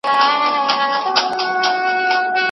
د سیاست پر علمي والي خبرې اترې ونه سوې.